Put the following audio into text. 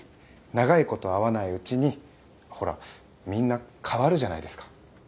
長いこと会わないうちにほらみんな変わるじゃないですか。